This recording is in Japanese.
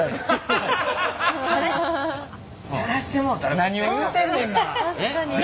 何を言うてんねんな。